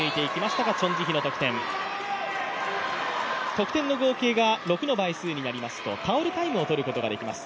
得点の合計が６の倍数になりますとタオルタイムを取ることができます。